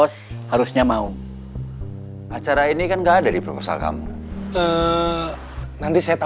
kamu mau cepat diangkat jadi karyawan tetap